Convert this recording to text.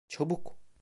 Çabuk!